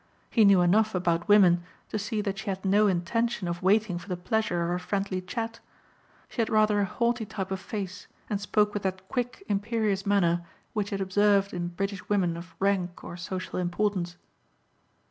He knew enough about women to see that she had no intention of waiting for the pleasure of a friendly chat. She had rather a haughty type of face and spoke with that quick imperious manner which he had observed in British women of rank or social importance.